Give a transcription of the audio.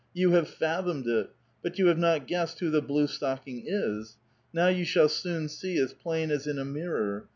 You have fathomed it 1 But 3'ou have not guessed who the blue stocking is ! Now you shall soon see as plain as in a miri'or.